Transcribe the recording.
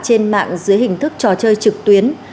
trên mạng dưới hình thức trò chơi trực tuyến